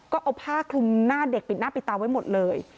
ก็เอาผ้าคลุมหน้าเด็กปิดหน้าปิดตาไว้หมดเลย